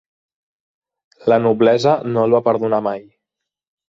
La noblesa no el va perdonar mai.